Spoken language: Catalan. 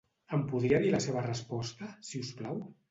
Em podria dir la seva resposta, si us plau?